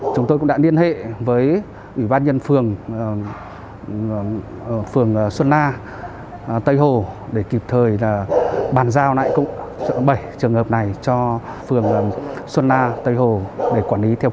chúng tôi cũng đã liên hệ với ủy ban nhân phường xuân lâm